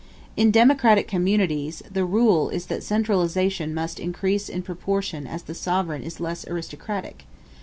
In democratic communities the rule is that centralization must increase in proportion as the sovereign is less aristocratic.